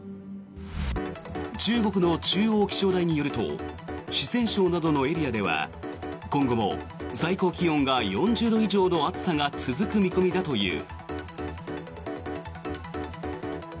中国の中央気象台によると四川省などのエリアでは今後も最高気温が４０度以上の暑さが続く見込みだという。